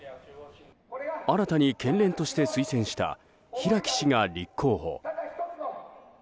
新たに県連として推薦した平木氏が立候補。